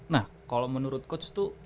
nah kalau menurut coach tuh